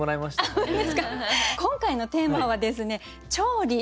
今回のテーマはですね「調理」。